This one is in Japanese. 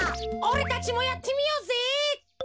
おれたちもやってみようぜ。